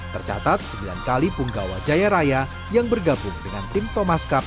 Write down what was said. tercatat sembilan kali punggawa jaya raya yang bergabung dengan tim thomas cup